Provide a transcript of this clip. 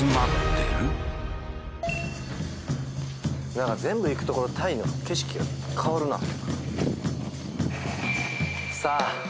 なんか全部行く所タイの景色が変わるなさあ